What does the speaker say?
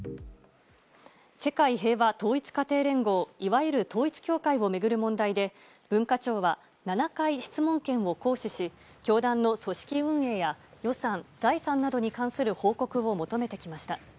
世界平和統一家庭連合いわゆる統一教会を巡る問題で文化庁は７回、質問権を行使し教団の組織運営や予算・財産などに関する報告を求めてきました。